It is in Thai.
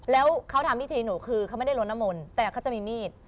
แล้วเขาทำพิธีหนูคือเขาไม่ได้ลดน้ำมนต์แต่เขาจะมีมีด